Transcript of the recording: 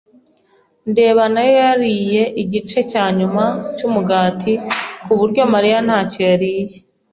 ndeba nayo yariye igice cyanyuma cyumugati kuburyo Mariya ntacyo yariye.